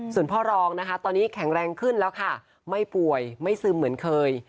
ส่วนพ่อรองนะคะตอนนี้แข็งแรงขึ้นแล้วค่ะไม่ป่วยไม่ซึมเหมือนเคย